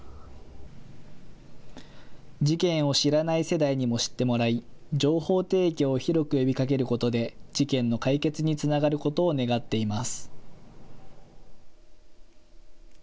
事件を知らない世代にも知ってもらい、情報提供を広く呼びかけることで事件の解決につながることを願っています。